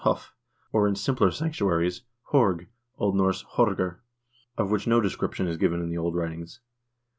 hof), or in simpler sanctuaries, horg (O. N. horgr), of which no description is given in the old writings.